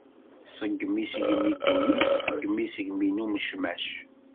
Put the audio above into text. Tesgem isegmi ddunit, tesgem isegmi n umecmac.